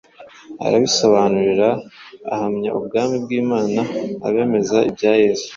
arabibasobanurira, ahamya ubwami bw’Imana, abemeza ibya Yesu,